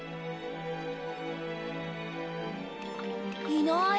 いない。